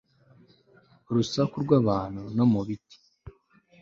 Urusaku rwabantu no mubiti